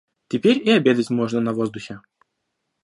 Теперь и обедать можно на воздухе.